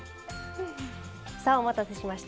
お待たせしました。